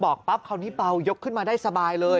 บอกปั๊บเข้านี่ปัวยกขึ้นมาได้สบายเลย